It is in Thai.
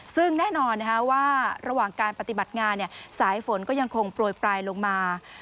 ซึ่งแน่นอนว่าระหว่างการปฏิบัติงานสายฝนก็ยังคงโปรยปลายลงมา